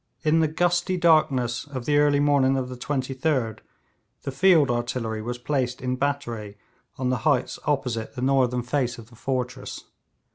In the gusty darkness of the early morning of the 23d the field artillery was placed in battery on the heights opposite the northern face of the fortress.